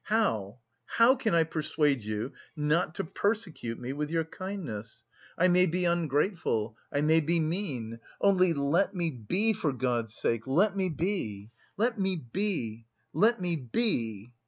How, how can I persuade you not to persecute me with your kindness? I may be ungrateful, I may be mean, only let me be, for God's sake, let me be! Let me be, let me be!"